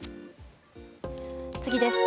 次です。